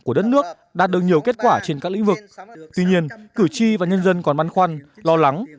của đất nước đạt được nhiều kết quả trên các lĩnh vực tuy nhiên cử tri và nhân dân còn băn khoăn lo lắng